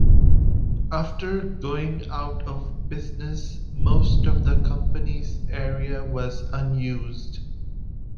After going out of business most of the company's area was unused.